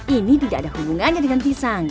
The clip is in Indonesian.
ini tidak ada hubungannya dengan pisang